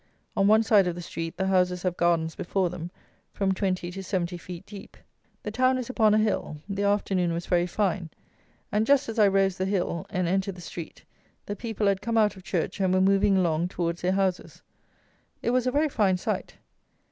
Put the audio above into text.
On one side of the street the houses have gardens before them, from 20 to 70 feet deep. The town is upon a hill; the afternoon was very fine, and, just as I rose the hill and entered the street, the people had come out of church and were moving along towards their houses. It was a very fine sight.